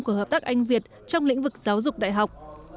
của hợp tác anh việt trong lĩnh vực giáo dục đại học